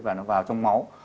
và nó vào trong máu